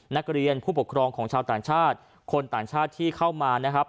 นักเรียนผู้ปกครองของชาวต่างชาติคนต่างชาติที่เข้ามานะครับ